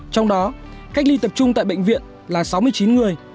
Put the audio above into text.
trong đó cách ly tập trung tại bệnh viện là sáu mươi chín người